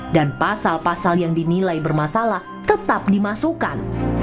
dan pasal pasal yang dinilai bermasalah tetap dimasukkan